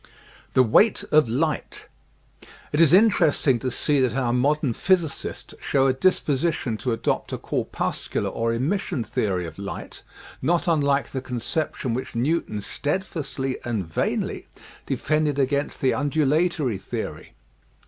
THE WEIGHT OF LIGHT It is interesting to see that our modem physicists show a disposition to adopt a corpuscular or emission theory of light not unlike the conception which Newton steadfastly and vainly defended against the undula tory theory.